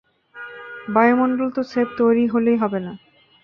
বায়ুমন্ডল তো স্রেফ তৈরী হলেই হবে না।